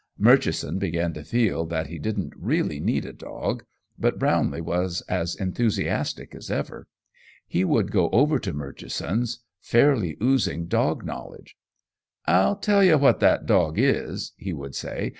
Murchison began to feel that he didn't really need a dog, but Brownlee was as enthusiastic as ever. He would go over to Murchison's fairly oozing dog knowledge. "I'll tell you what that dog is," he would say.